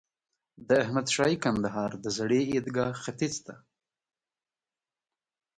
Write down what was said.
د احمد شاهي کندهار د زړې عیدګاه ختیځ ته.